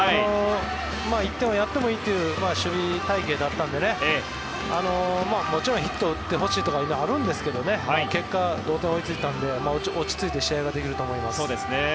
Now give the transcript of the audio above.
１点をやってもいいという守備隊形だったのでもちろんヒットを打ってほしいとかはあると思うんですけど結果、同点に追いついたので落ち着いて試合ができると思います。